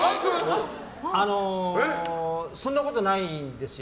そんなことないんですよ。